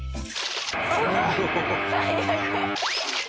最悪。